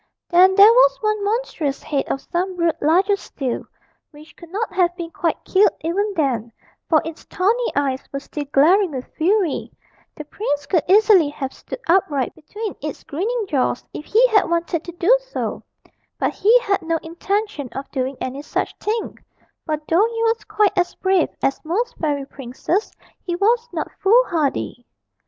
Then there was one monstrous head of some brute larger still, which could not have been quite killed even then, for its tawny eyes were still glaring with fury the prince could easily have stood upright between its grinning jaws if he had wanted to do so; but he had no intention of doing any such thing, for though he was quite as brave as most fairy princes he was not foolhardy.